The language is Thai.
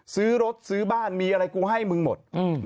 ซื้อรถซื้อบ้านมีอะไรกูให้มึงหมด